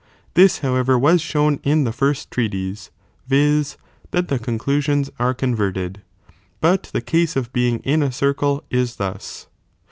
this however was shown in the first trealise,{ vij. ch. s' ^'oijo'' that the conclusions are converted ; 5 but the case !■«"■*"■ i". i of being in a circle is thus.